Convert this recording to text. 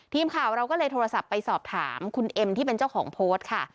ทีมข่าวเราก็เลยโทรศัพท์ไปสอบถามคุณเอ็มที่เป็นเจ้าของโพสต์ค่ะ